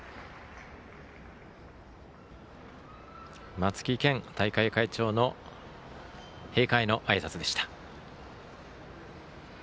松木健大会会長の閉会のあいさつでした。